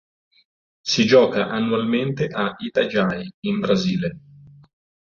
Si gioca annualmente a Itajaí in Brasile.